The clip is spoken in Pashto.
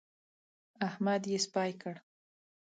احمد يې سپي کړ.